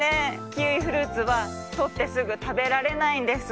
キウイフルーツはとってすぐたべられないんです。